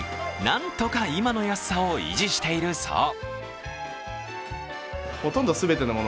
なんとか今の安さを維持しているそう。